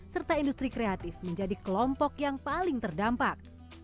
serta industri kreatif menjadi kelompok yang paling terdampak